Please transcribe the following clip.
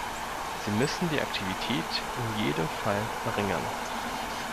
Sie müssen die Aktivität in jedem Fall verringern.